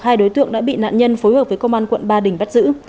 hai đối tượng đã bị nạn nhân phối hợp với công an quận ba đình bắt giữ